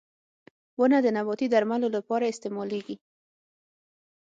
• ونه د نباتي درملو لپاره استعمالېږي.